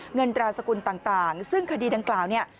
ตราสกุลต่างซึ่งคดีดังกล่าวเนี่ย